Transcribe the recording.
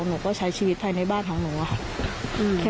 หนูก็ใช้ชีวิตภายในบ้านของหนูอะค่ะ